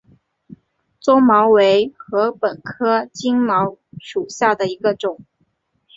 棕茅为禾本科金茅属下的一个种。